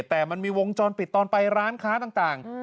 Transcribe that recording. แต่มันมีวงจรปิดตอนไปร้านค้าต่าง